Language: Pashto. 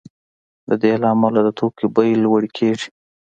د دې له امله د توکو بیې لوړې کیږي